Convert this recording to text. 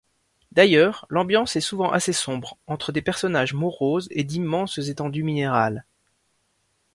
D'ailleurs l’ambiance est souvent assez sombre, entre des personnages moroses et d’immenses étendues minérales.